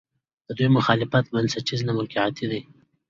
د دوی مخالفت بنسټیز نه، موقعتي دی.